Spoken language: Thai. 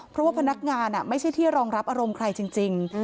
เพราะว่าพนักงานไม่ใช่ที่รองรับอารมณ์ใครจริง